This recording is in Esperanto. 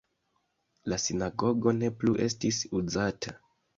La sinagogo ne plu estis uzata.